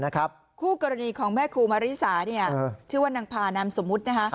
คู่กรณีของแม่ครูมาริสาชื่อว่านางพานามสมมุติ